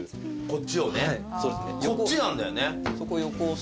こっちなんだよね。